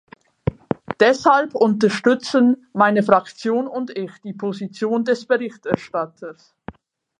Deshalb unterstützen meine Fraktion und ich die Position des Berichterstatters.